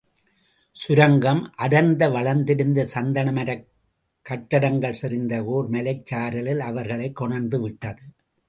சுரங்கம் அடர்ந்து வளர்ந்திருந்த சந்தனமரக் கூட்டங்கள் செறிந்த ஒர் மலைச் சாரலில் அவர்களைக் கொணர்ந்துவிட்டது.